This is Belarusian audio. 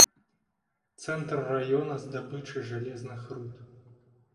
Цэнтр раёна здабычы жалезных руд.